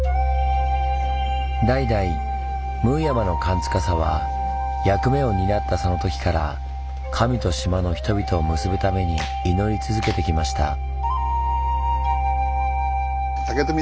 代々ムーヤマの神司は役目を担ったそのときから神と島の人々を結ぶために祈り続けてきました。